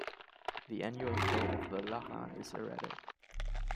The annual flow of the Lachlan is erratic.